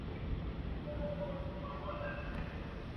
Tras escalar aquella pared, fueron recibidos por un intenso fuego enemigo.